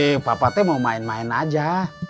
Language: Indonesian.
eh papa tuh mau main main aja